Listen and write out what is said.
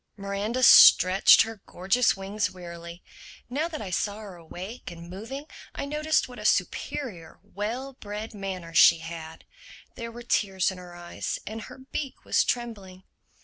Miranda stretched her gorgeous wings wearily. Now that I saw her awake and moving I noticed what a superior, well bred manner she had. There were tears in her eyes and her beak was trembling.